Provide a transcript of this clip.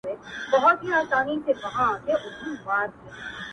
د زمري په خوله کي هم خېر غواړه.